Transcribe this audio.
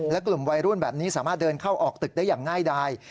และกลุ่มวัยรุ่นแบบนี้สามารถเดินเข้าออกตึกได้อย่างง่ายดาย